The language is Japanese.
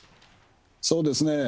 そうですね。